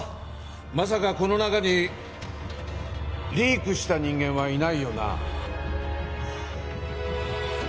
まさかこの中にリークした人間はいないよな？